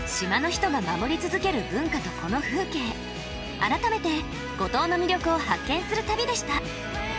改めて五島の魅力を発見する旅でした。